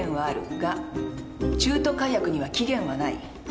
が中途解約には期限はない。